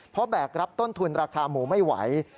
เพราะแบกรับต้นทุนราคาหมูไม่ไหว